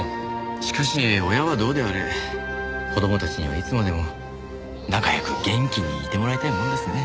しかし親はどうであれ子供たちにはいつまでも仲良く元気にいてもらいたいものですね。